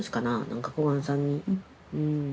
何か小雁さんに。